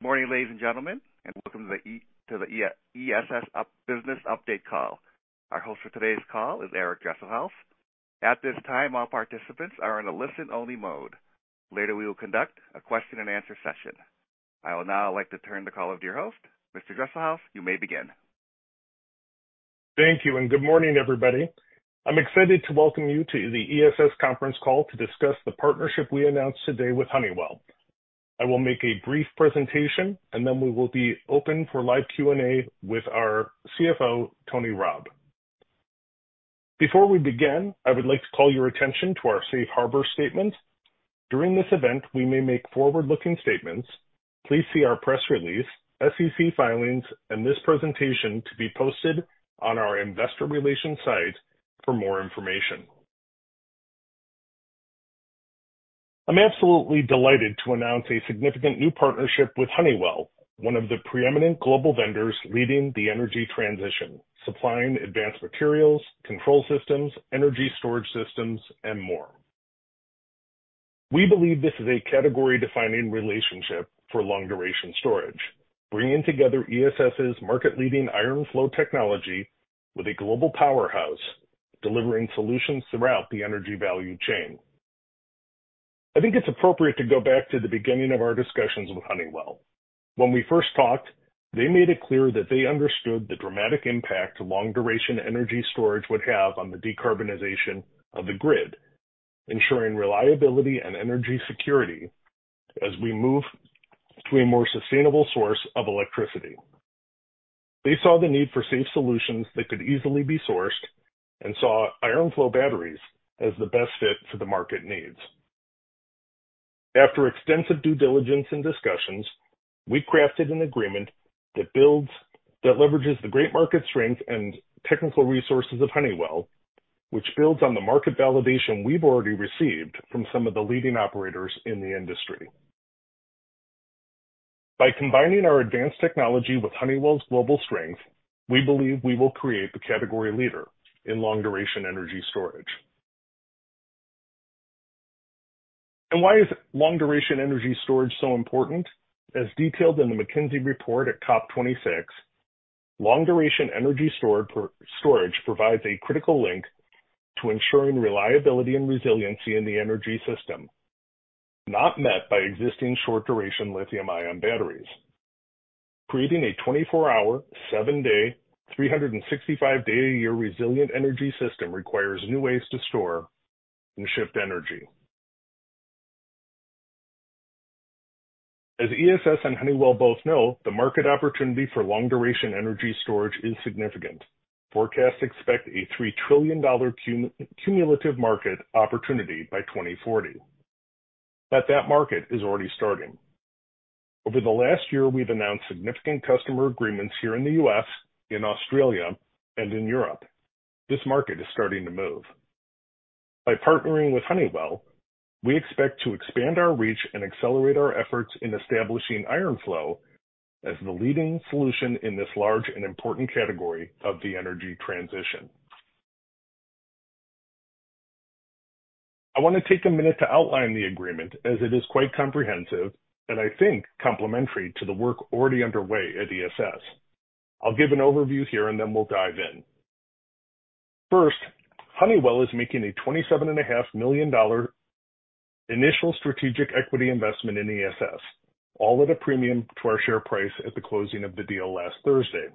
Good morning, ladies and gentlemen, and welcome to the ESS Business Update Call. Our host for today's call is Eric Dresselhuys. At this time, all participants are in a listen-only mode. Later, we will conduct a question and answer session. I will now like to turn the call over to your host. Mr. Dresselhuys, you may begin. Thank you, and good morning, everybody. I'm excited to welcome you to the ESS Conference Call to discuss the partnership we announced today with Honeywell. I will make a brief presentation, and then we will be open for live Q&A with our CFO, Tony Rabie. Before we begin, I would like to call your attention to our safe harbor statement. During this event, we may make forward-looking statements. Please see our press release, SEC filings, and this presentation to be posted on our investor relations site for more information. I'm absolutely delighted to announce a significant new partnership with Honeywell, one of the preeminent global vendors leading the energy transition, supplying advanced materials, control systems, energy storage systems, and more. We believe this is a category-defining relationship for long-duration storage, bringing together ESS's market-leading iron flow technology with a global powerhouse, delivering solutions throughout the energy value chain. I think it's appropriate to go back to the beginning of our discussions with Honeywell. When we first talked, they made it clear that they understood the dramatic impact long-duration energy storage would have on the decarbonization of the grid, ensuring reliability and energy security as we move to a more sustainable source of electricity. They saw the need for safe solutions that could easily be sourced and saw iron flow batteries as the best fit for the market needs. After extensive due diligence and discussions, we crafted an agreement that leverages the great market strength and technical resources of Honeywell, which builds on the market validation we've already received from some of the leading operators in the industry. By combining our advanced technology with Honeywell's global strength, we believe we will create the category leader in long-duration energy storage. Why is long-duration energy storage so important? As detailed in the McKinsey report at COP26, long-duration energy storage provides a critical link to ensuring reliability and resiliency in the energy system, not met by existing short-duration lithium-ion batteries. Creating a 24-hour, seven-day, 365-day-a-year resilient energy system requires new ways to store and shift energy. As ESS and Honeywell both know, the market opportunity for long-duration energy storage is significant. Forecasts expect a $3 trillion cumulative market opportunity by 2040. That market is already starting. Over the last year, we've announced significant customer agreements here in the U.S., in Australia, and in Europe. This market is starting to move. By partnering with Honeywell, we expect to expand our reach and accelerate our efforts in establishing iron flow as the leading solution in this large and important category of the energy transition. I want to take a minute to outline the agreement, as it is quite comprehensive and I think complementary to the work already underway at ESS. I'll give an overview here, and then we'll dive in. First, Honeywell is making a $27.5 million initial strategic equity investment in ESS, all at a premium to our share price at the closing of the deal last Thursday.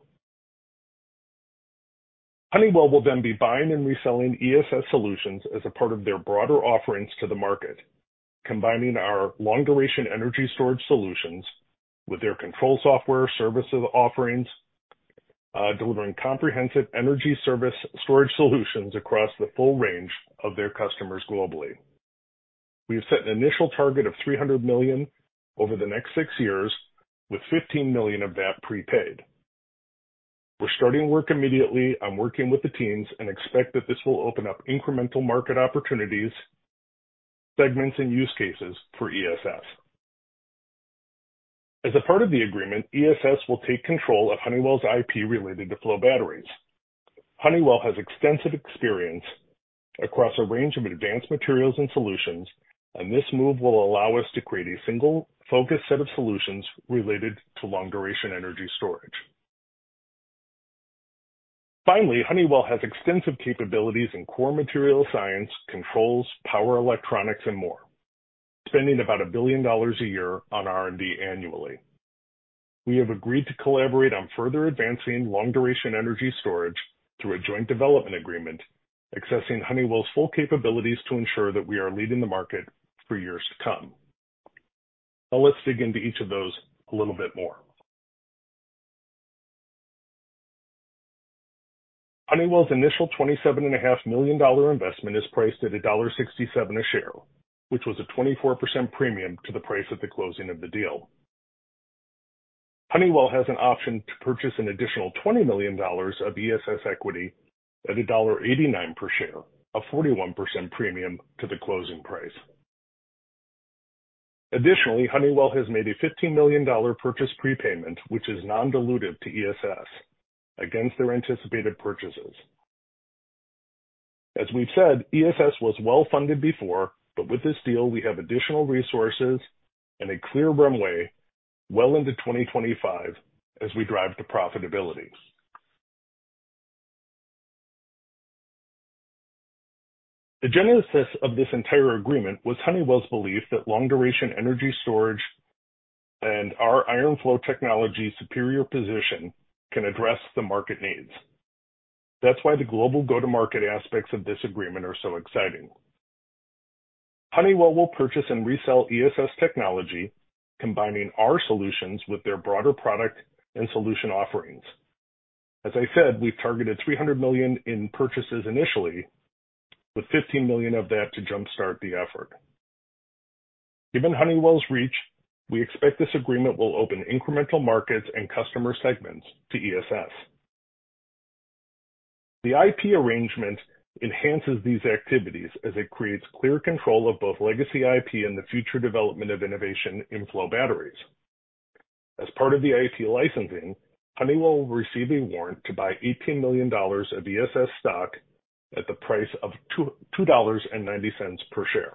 Honeywell will then be buying and reselling ESS solutions as a part of their broader offerings to the market, combining our long-duration energy storage solutions with their control software service offerings, delivering comprehensive energy service storage solutions across the full range of their customers globally. We've set an initial target of $300 million over the next six years, with $15 million of that prepaid. We're starting work immediately. I'm working with the teams and expect that this will open up incremental market opportunities, segments, and use cases for ESS. As a part of the agreement, ESS will take control of Honeywell's IP related to flow batteries. Honeywell has extensive experience across a range of advanced materials and solutions, and this move will allow us to create a single focused set of solutions related to long-duration energy storage. Finally, Honeywell has extensive capabilities in core material science, controls, power, electronics, and more, spending about $1 billion a year on R&D annually. We have agreed to collaborate on further advancing long-duration energy storage through a joint development agreement, accessing Honeywell's full capabilities to ensure that we are leading the market for years to come. Now let's dig into each of those a little bit more. Honeywell's initial $27.5 million investment is priced at $1.67 a share, which was a 24% premium to the price at the closing of the deal. Honeywell has an option to purchase an additional $20 million of ESS equity at $1.89 per share, a 41% premium to the closing price. Additionally, Honeywell has made a $15 million purchase prepayment, which is non-dilutive to ESS, against their anticipated purchases. As we've said, ESS was well-funded before, but with this deal, we have additional resources and a clear runway well into 2025 as we drive to profitability. The genesis of this entire agreement was Honeywell's belief that long-duration energy storage and our iron flow technology's superior position can address the market needs. That's why the global go-to-market aspects of this agreement are so exciting. Honeywell will purchase and resell ESS technology, combining our solutions with their broader product and solution offerings. As I said, we've targeted $300 million in purchases initially, with $15 million of that to jumpstart the effort. Given Honeywell's reach, we expect this agreement will open incremental markets and customer segments to ESS. The IP arrangement enhances these activities as it creates clear control of both legacy IP and the future development of innovation in flow batteries. As part of the IP licensing, Honeywell will receive a warrant to buy $18 million of ESS stock at the price of $2.90 per share.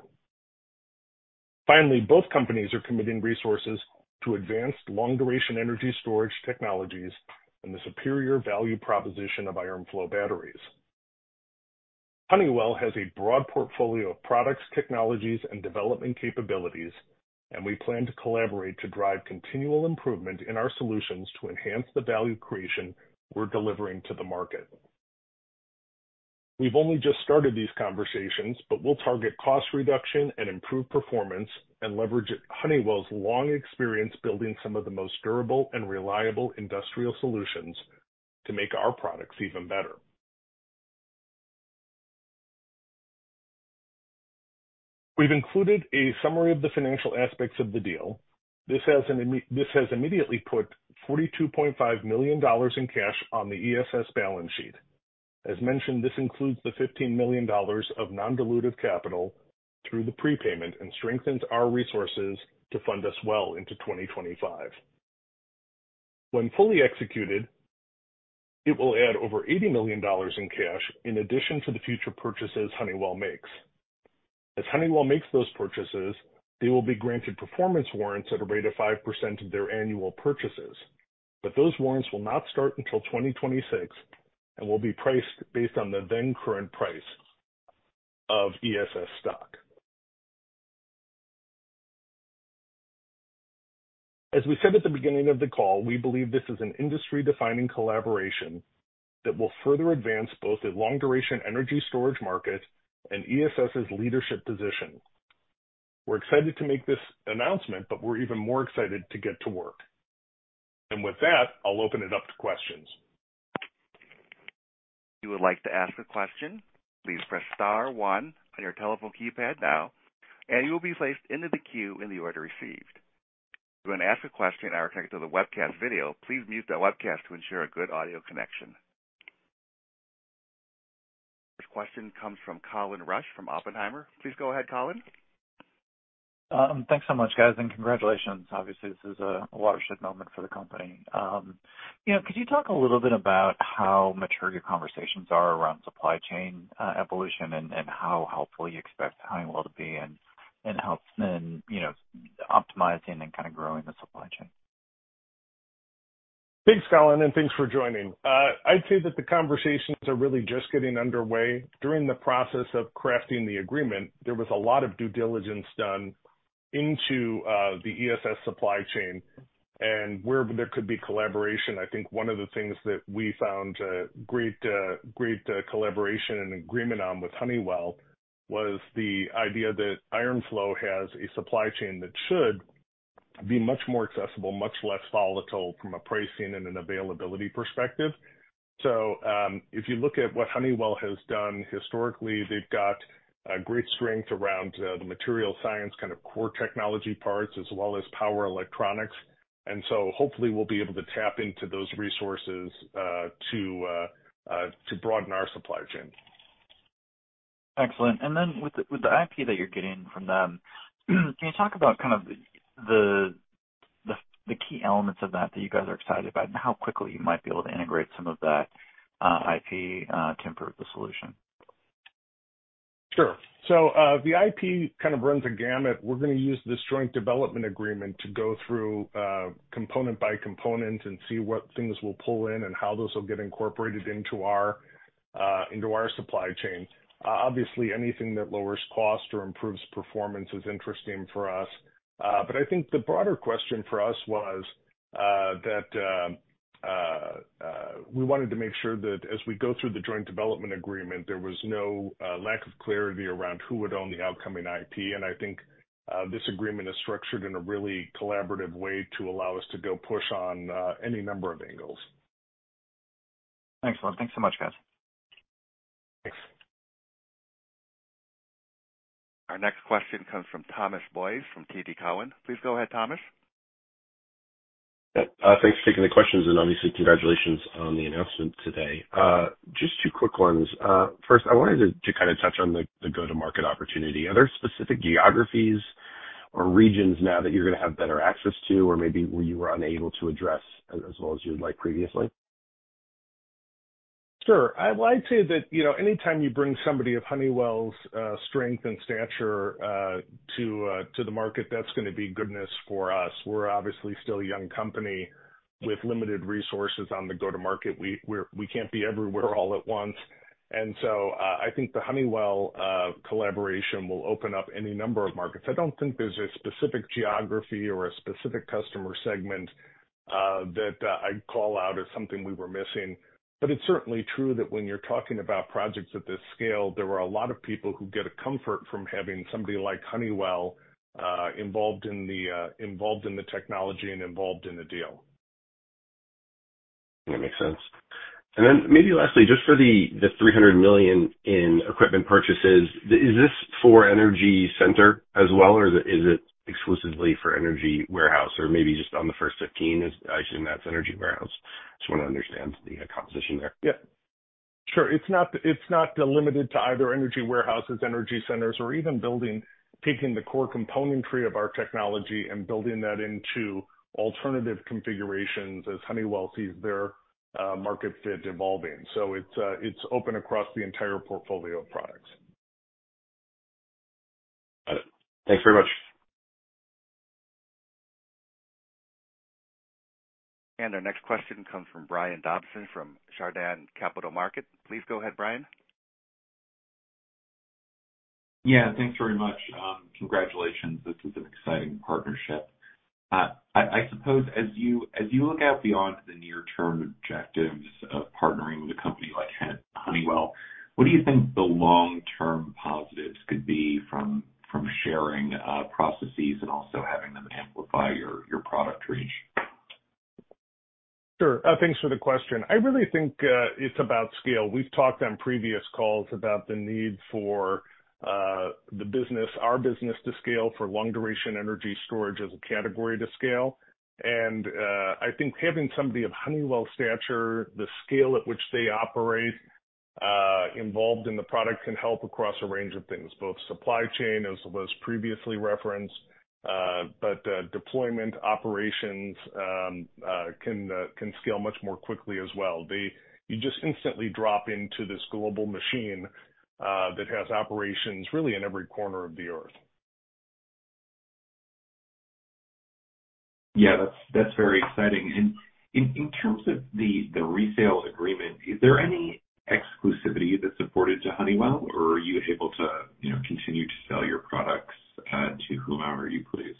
Finally, both companies are committing resources to advanced long-duration energy storage technologies and the superior value proposition of iron flow batteries. Honeywell has a broad portfolio of products, technologies, and development capabilities, and we plan to collaborate to drive continual improvement in our solutions to enhance the value creation we're delivering to the market. We've only just started these conversations, but we'll target cost reduction and improve performance, and leverage Honeywell's long experience building some of the most durable and reliable industrial solutions to make our products even better. We've included a summary of the financial aspects of the deal. This has immediately put $42.5 million in cash on the ESS balance sheet. As mentioned, this includes the $15 million of non-dilutive capital through the prepayment, and strengthens our resources to fund us well into 2025. When fully executed, it will add over $80 million in cash in addition to the future purchases Honeywell makes. As Honeywell makes those purchases, they will be granted Performance Warrants at a rate of 5% of their annual purchases, but those warrants will not start until 2026 and will be priced based on the then current price of ESS stock. As we said at the beginning of the call, we believe this is an industry-defining collaboration that will further advance both the long-duration energy storage market and ESS's leadership position. We're excited to make this announcement, but we're even more excited to get to work. And with that, I'll open it up to questions. If you would like to ask a question, please press star one on your telephone keypad now, and you will be placed into the queue in the order received. If you want to ask a question and are connected to the webcast video, please mute the webcast to ensure a good audio connection. First question comes from Colin Rusch, from Oppenheimer. Please go ahead, Colin. Thanks so much, guys, and congratulations. Obviously, this is a watershed moment for the company. You know, could you talk a little bit about how mature your conversations are around supply chain evolution, and how helpful you expect Honeywell to be in helping and, you know, optimizing and kind of growing the supply chain? Thanks, Colin, and thanks for joining. I'd say that the conversations are really just getting underway. During the process of crafting the agreement, there was a lot of due diligence done into the ESS supply chain and where there could be collaboration. I think one of the things that we found great collaboration and agreement on with Honeywell was the idea that iron flow has a supply chain that should be much more accessible, much less volatile from a pricing and an availability perspective. So, if you look at what Honeywell has done historically, they've got a great strength around the material science kind of core technology parts, as well as power electronics. And so hopefully we'll be able to tap into those resources to broaden our supply chain. Excellent. And then with the IP that you're getting from them, can you talk about kind of the key elements of that that you guys are excited about, and how quickly you might be able to integrate some of that IP to improve the solution? Sure. So, the IP kind of runs a gamut. We're gonna use this joint development agreement to go through, component by component and see what things we'll pull in and how those will get incorporated into our supply chain. Obviously, anything that lowers cost or improves performance is interesting for us. But I think the broader question for us was that we wanted to make sure that as we go through the joint development agreement, there was no lack of clarity around who would own the upcoming IP. And I think this agreement is structured in a really collaborative way to allow us to go push on any number of angles. Excellent. Thanks so much, guys. Thanks. Our next question comes from Thomas Boyes, from TD Cowen. Please go ahead, Thomas. Yep. Thanks for taking the questions, and obviously, congratulations on the announcement today. Just two quick ones. First, I wanted to kind of touch on the go-to-market opportunity. Are there specific geographies or regions now that you're gonna have better access to or maybe where you were unable to address as well as you would like previously? Sure. Well, I'd say that, you know, anytime you bring somebody of Honeywell's strength and stature to the market, that's gonna be goodness for us. We're obviously still a young company with limited resources on the go-to-market. We're we can't be everywhere all at once. And so, I think the Honeywell collaboration will open up any number of markets. I don't think there's a specific geography or a specific customer segment that I'd call out as something we were missing. But it's certainly true that when you're talking about projects at this scale, there are a lot of people who get a comfort from having somebody like Honeywell involved in the technology and involved in the deal. That makes sense. And then maybe lastly, just for the $300 million in equipment purchases, is this for Energy Center as well, or is it exclusively for Energy Warehouse? Or maybe just on the first $15 million, I assume that's Energy Warehouse. Just want to understand the composition there. Yeah. Sure. It's not, it's not limited to either Energy Warehouses, Energy Centers, or even building, taking the core componentry of our technology and building that into alternative configurations as Honeywell sees their market fit evolving. So it's, it's open across the entire portfolio of products. Got it. Thanks very much. Our next question comes from Brian Dobson from Chardan Capital Markets. Please go ahead, Brian. Yeah, thanks very much. Congratulations, this is an exciting partnership. I suppose as you, as you look out beyond the near-term objectives of partnering with a company like Honeywell, what do you think the long-term positives could be from sharing processes and also having them amplify your product reach? Sure. Thanks for the question. I really think, it's about scale. We've talked on previous calls about the need for, the business, our business to scale, for long-duration energy storage as a category to scale. And, I think having somebody of Honeywell's stature, the scale at which they operate, involved in the product, can help across a range of things, both supply chain, as was previously referenced, but, deployment operations, can scale much more quickly as well. They- you just instantly drop into this global machine, that has operations really in every corner of the earth. Yeah, that's, that's very exciting. In terms of the, the resale agreement, is there any exclusivity that's afforded to Honeywell, or are you able to, you know, continue to sell your products to whomever you please?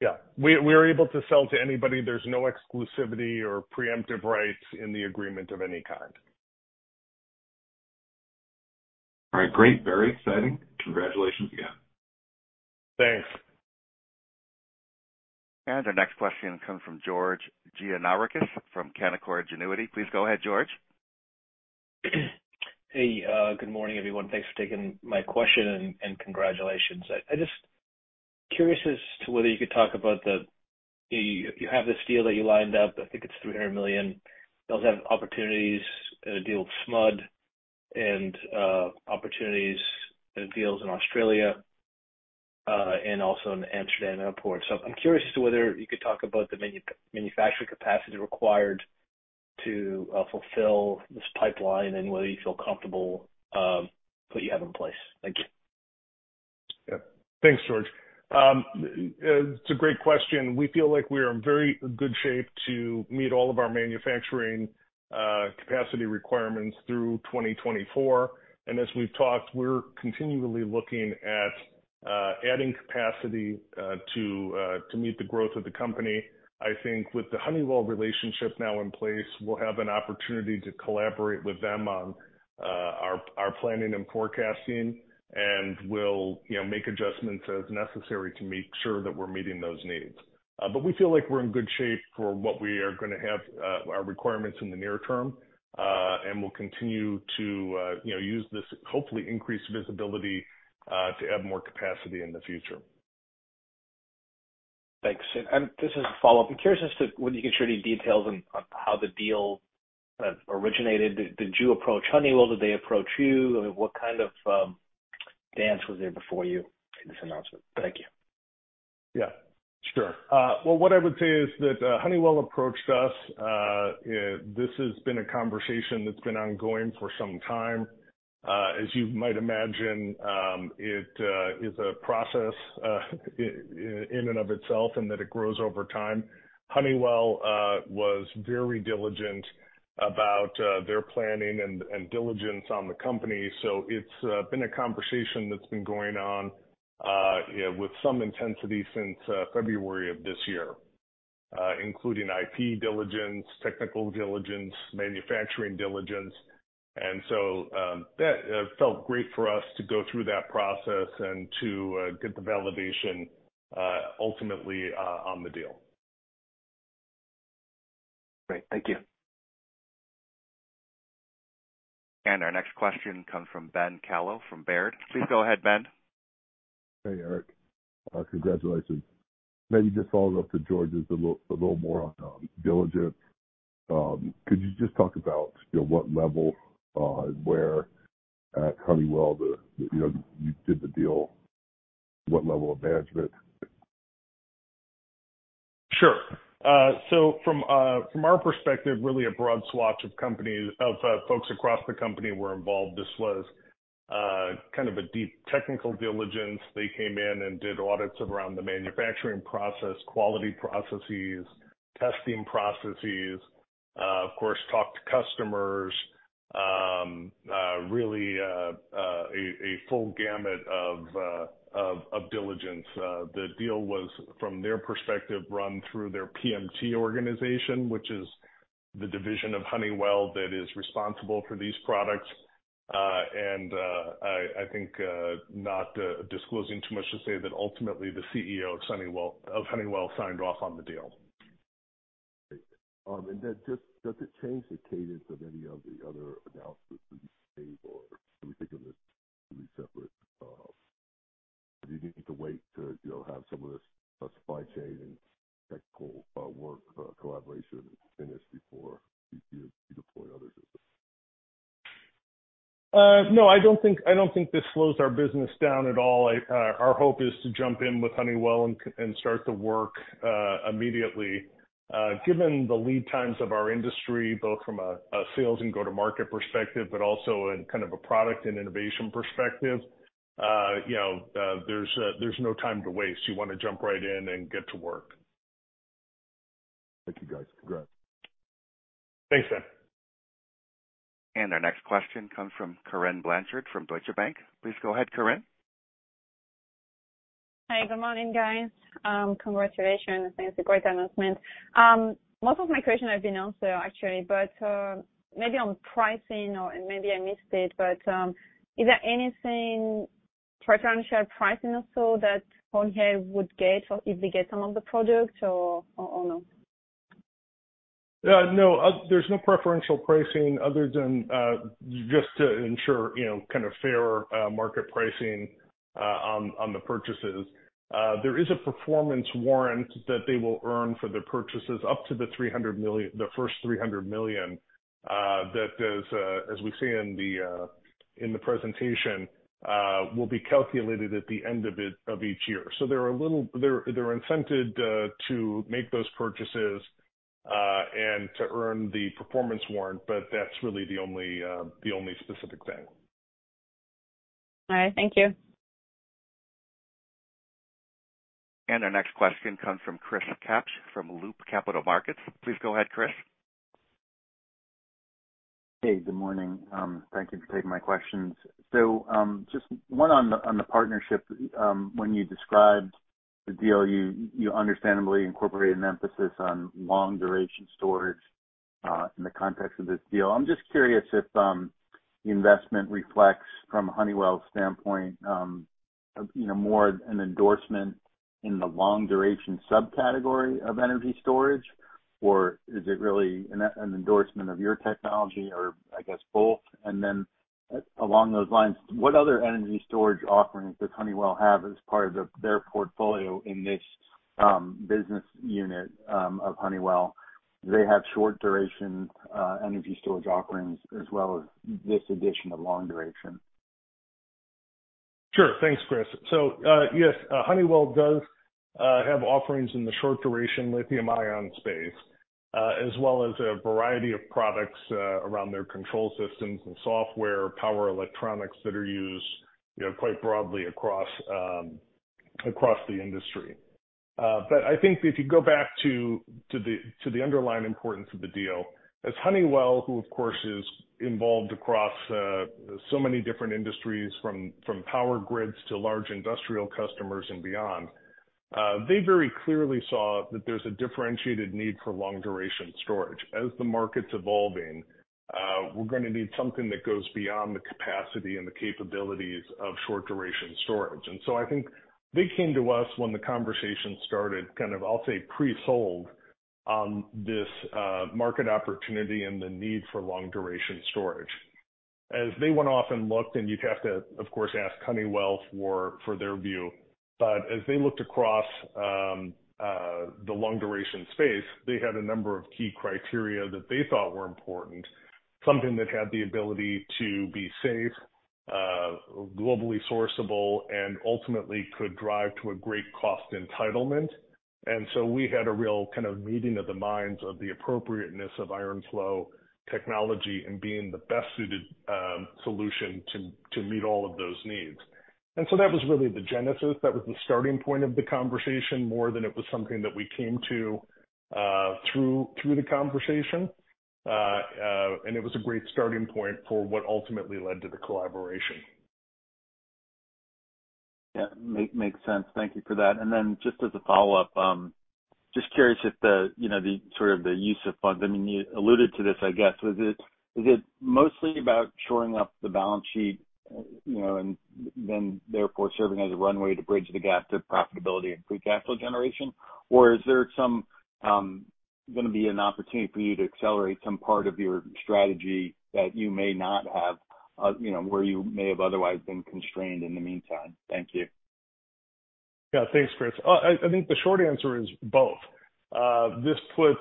Yeah. We are able to sell to anybody. There's no exclusivity or preemptive rights in the agreement of any kind. All right, great. Very exciting. Congratulations again. Thanks. Our next question comes from George Gianarikas, from Canaccord Genuity. Please go ahead, George. Hey, good morning, everyone. Thanks for taking my question, and congratulations. I'm just curious as to whether you could talk about the deal that you lined up. I think it's $300 million. You also have opportunities in a deal with SMUD and opportunities in deals in Australia and also in the Amsterdam airport. So I'm curious as to whether you could talk about the manufacturing capacity required to fulfill this pipeline and whether you feel comfortable with what you have in place. Thank you. Yeah. Thanks, George. It's a great question. We feel like we are in very good shape to meet all of our manufacturing capacity requirements through 2024. And as we've talked, we're continually looking at adding capacity to meet the growth of the company. I think with the Honeywell relationship now in place, we'll have an opportunity to collaborate with them on our planning and forecasting, and we'll, you know, make adjustments as necessary to make sure that we're meeting those needs. But we feel like we're in good shape for what we are gonna have our requirements in the near term. And we'll continue to, you know, use this, hopefully, increased visibility to add more capacity in the future. Thanks. This is a follow-up. I'm curious as to whether you can share any details on how the deal originated. Did you approach Honeywell? Did they approach you? What kind of dance was there before you made this announcement? Thank you. Yeah, sure. Well, what I would say is that Honeywell approached us. This has been a conversation that's been ongoing for some time. As you might imagine, it is a process in and of itself and that it grows over time. Honeywell was very diligent about their planning and diligence on the company, so it's been a conversation that's been going on with some intensity since February of this year. Including IP diligence, technical diligence, manufacturing diligence, and so that felt great for us to go through that process and to get the validation ultimately on the deal. Great. Thank you. Our next question comes from Ben Kallo from Baird. Please go ahead, Ben. Hey, Eric, congratulations. Maybe just follow up to George's a little more diligent. Could you just talk about, you know, what level, where at Honeywell the, you know, you did the deal, what level of management? Sure. So from our perspective, really a broad swatch of companies, of folks across the company were involved. This was kind of a deep technical diligence. They came in and did audits around the manufacturing process, quality processes, testing processes, of course, talked to customers, really a full gamut of diligence. The deal was, from their perspective, run through their PMT organization, which is the division of Honeywell that is responsible for these products. And I think, not disclosing too much to say that ultimately the CEO of Honeywell signed off on the deal. Does it change the cadence of any of the other announcements you made, or are we thinking this will be separate? Do you need to wait to, you know, have some of this supply chain and technical work, collaboration finished before you deploy others as well? No, I don't think this slows our business down at all. I, our hope is to jump in with Honeywell and c- and start the work, immediately. Given the lead times of our industry, both from a sales and go-to-market perspective, but also in kind of a product and innovation perspective, you know, there's, there's no time to waste. You want to jump right in and get to work. Thank you, guys. Congrats. Thanks, Ben. Our next question comes from Corinne Blanchard from Deutsche Bank. Please go ahead, Corinne. Hi, good morning, guys. Congratulations. I think it's a great announcement. Most of my questions have been answered actually, but maybe on pricing or, and maybe I missed it, but is there anything preferential pricing or so that Honeywell would get or if they get some of the product or, or, or no? No, there's no preferential pricing other than just to ensure, you know, kind of fair market pricing on the purchases. There is a performance warrant that they will earn for their purchases up to the $300 million, the first $300 million, that as we say in the presentation will be calculated at the end of it, of each year. So they're they're incented to make those purchases and to earn the performance warrant, but that's really the only the only specific thing. All right. Thank you. Our next question comes from Chris Kapsch from Loop Capital Markets. Please go ahead, Chris. Hey, good morning. Thank you for taking my questions. So, just one on the partnership. When you described the deal, you understandably incorporated an emphasis on long-duration storage in the context of this deal. I'm just curious if the investment reflects from Honeywell's standpoint, you know, more an endorsement in the long duration subcategory of energy storage, or is it really an endorsement of your technology, or I guess, both? And then along those lines, what other energy storage offerings does Honeywell have as part of their portfolio in this business unit of Honeywell? Do they have short-duration energy storage offerings as well as this addition of long duration? Sure. Thanks, Chris. So, yes, Honeywell does have offerings in the short-duration lithium-ion space, as well as a variety of products around their control systems and software, power electronics that are used, you know, quite broadly across the industry. But I think if you go back to the underlying importance of the deal, as Honeywell, who of course is involved across so many different industries, from power grids to large industrial customers and beyond, they very clearly saw that there's a differentiated need for long-duration storage. As the market's evolving, we're gonna need something that goes beyond the capacity and the capabilities of short-duration storage. And so I think they came to us when the conversation started, kind of, I'll say, pre-sold on this market opportunity and the need for long-duration storage. As they went off and looked, and you'd have to, of course, ask Honeywell for their view, but as they looked across the long-duration space, they had a number of key criteria that they thought were important, something that had the ability to be safe, globally sourceable, and ultimately could drive to a great cost entitlement. And so we had a real kind of meeting of the minds of the appropriateness of iron flow technology and being the best suited solution to meet all of those needs. And so that was really the genesis. That was the starting point of the conversation, more than it was something that we came to through the conversation. And it was a great starting point for what ultimately led to the collaboration. Yeah. Makes sense. Thank you for that. And then just as a follow-up, just curious if the, you know, the sort of the use of funds, I mean, you alluded to this, I guess. Was it, is it mostly about shoring up the balance sheet, you know, and then therefore serving as a runway to bridge the gap to profitability and free capital generation? Or is there some, gonna be an opportunity for you to accelerate some part of your strategy that you may not have, you know, where you may have otherwise been constrained in the meantime? Thank you. Yeah, thanks, Chris. I think the short answer is both. This puts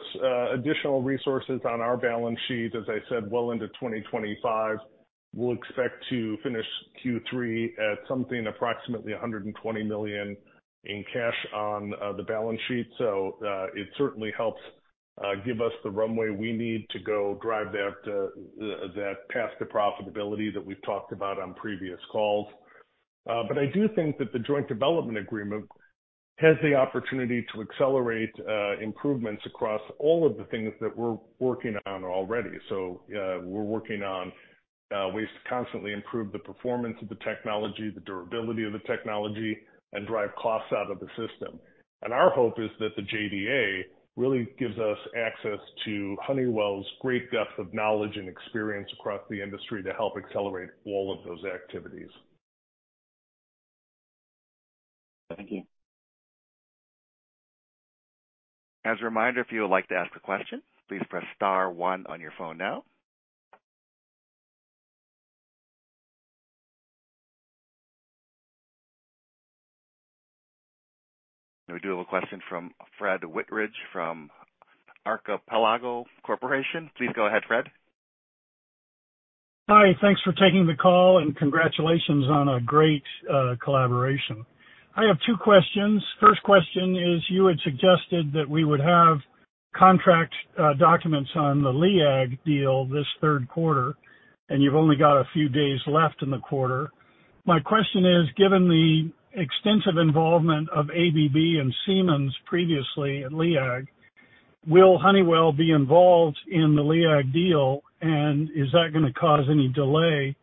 additional resources on our balance sheet, as I said, well into 2025. We'll expect to finish Q3 at something approximately $120 million in cash on the balance sheet. It certainly helps give us the runway we need to go drive that path to profitability that we've talked about on previous calls. I do think that the joint development agreement has the opportunity to accelerate improvements across all of the things that we're working on already. We're working on ways to constantly improve the performance of the technology, the durability of the technology, and drive costs out of the system. Our hope is that the JDA really gives us access to Honeywell's great depth of knowledge and experience across the industry to help accelerate all of those activities. Thank you. As a reminder, if you would like to ask a question, please press star one on your phone now. We do have a question from Fred Whitridge from Archipelago Corporation. Please go ahead, Fred. Hi, thanks for taking the call and congratulations on a great collaboration. I have two questions. First question is, you had suggested that we would have contract documents on the LEAG deal this third quarter, and you've only got a few days left in the quarter. My question is, given the extensive involvement of ABB and Siemens previously at LEAG, will Honeywell be involved in the LEAG deal? And is that gonna cause any delay,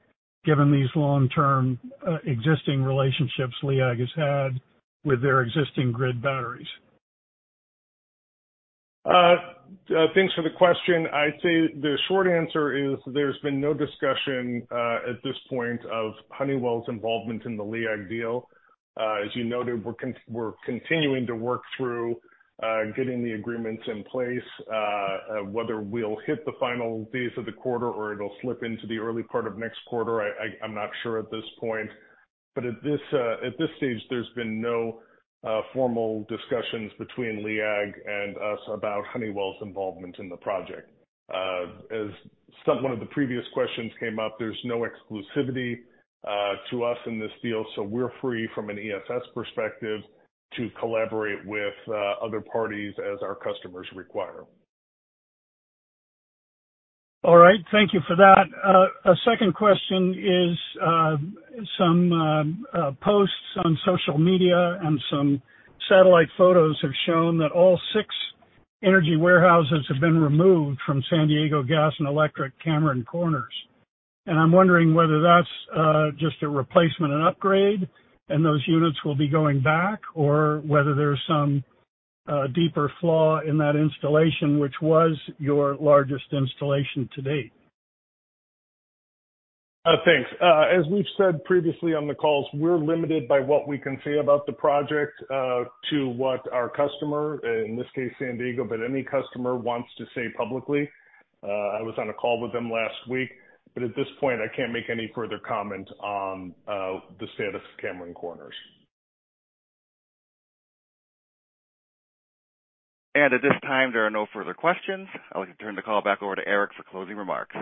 given these long-term existing relationships LEAG has had with their existing grid batteries? Thanks for the question. I'd say the short answer is there's been no discussion at this point of Honeywell's involvement in the LEAG deal. As you noted, we're continuing to work through getting the agreements in place. Whether we'll hit the final days of the quarter or it'll slip into the early part of next quarter, I'm not sure at this point, but at this stage, there's been no formal discussions between LEAG and us about Honeywell's involvement in the project. As one of the previous questions came up, there's no exclusivity to us in this deal, so we're free from an ESS perspective to collaborate with other parties as our customers require. All right. Thank you for that. A second question is, some posts on social media and some satellite photos have shown that all six Energy Warehouses have been removed from San Diego Gas & Electric Cameron Corners. And I'm wondering whether that's just a replacement and upgrade, and those units will be going back, or whether there's some deeper flaw in that installation, which was your largest installation to date. Thanks. As we've said previously on the calls, we're limited by what we can say about the project to what our customer, in this case, San Diego, but any customer wants to say publicly. I was on a call with them last week, but at this point, I can't make any further comment on the status of Cameron Corners. At this time, there are no further questions. I'd like to turn the call back over to Eric for closing remarks.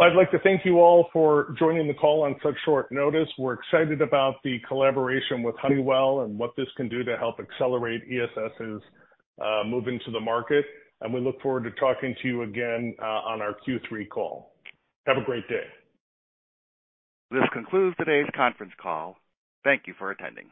I'd like to thank you all for joining the call on such short notice. We're excited about the collaboration with Honeywell and what this can do to help accelerate ESS's move into the market, and we look forward to talking to you again on our Q3 call. Have a great day. This concludes today's conference call. Thank you for attending.